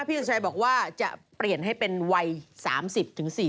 สุชัยบอกว่าจะเปลี่ยนให้เป็นวัย๓๐๔๐